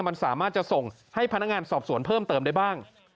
มันสามารถจะส่งให้พนักงานสอบสวนเพิ่มเติมได้บ้าง